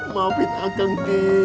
maafin akang dede